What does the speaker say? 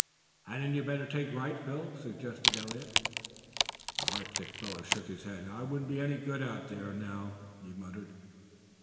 "Hadn't you better take right, Phil?" suggested Eliot. The heartsick fellow shook his head. "I wouldn't be any good out there now," he muttered.